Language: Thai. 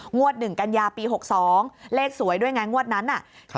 งวดหนึ่งกัญญาปี๖๒เลขสวยด้วยงั้นงวดนั้น๗๙๘๗๘๗